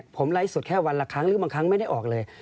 ผมไลฟ์สดแค่วันละครั้งหรือบางครั้งไม่ได้ออกเลย